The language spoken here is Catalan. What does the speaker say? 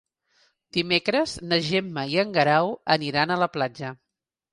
Dimecres na Gemma i en Guerau aniran a la platja.